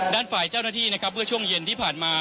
ด้านฝ่ายเจ้าหน้าที่นะครับเมื่อช่วงเย็นที่ผ่านมา